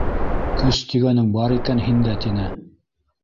Көс тигәнең бар икән һиндә! — тине.